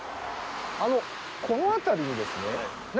あのこの辺りにですね